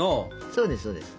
そうですそうです。